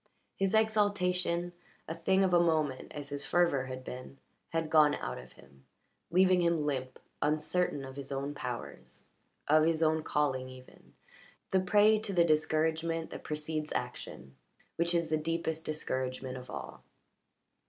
His exaltation a thing of a moment, as his fervour had been had gone out of him, leaving him limp, uncertain of his own powers, of his own calling, even the prey to the discouragement that precedes action, which is the deepest discouragement of all.